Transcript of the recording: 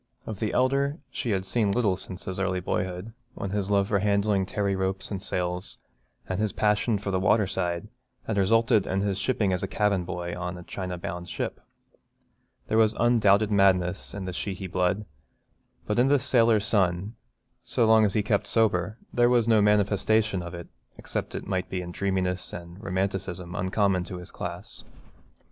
Of the elder she had seen little since his early boyhood, when his love for handling tarry ropes and sails, and his passion for the water side, had resulted in his shipping as cabin boy on a China bound ship. There was undoubted madness in the Sheehy blood, but in this sailor son, so long as he kept sober, there was no manifestation of it except it might be in a dreaminess and romanticism uncommon to his class.